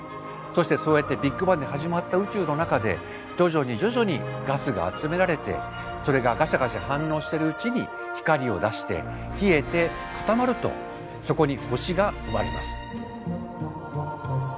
そしてそうやってビッグバンで始まった宇宙の中で徐々に徐々にガスが集められてそれがガシャガシャ反応してるうちに光を出して冷えて固まるとそこに星が生まれます。